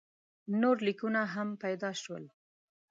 نور لیکونه هم پیدا شول.